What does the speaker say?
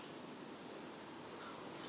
saya pengen berdoa